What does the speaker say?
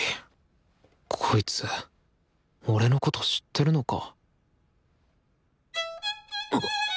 こいつ俺のこと知ってるのか？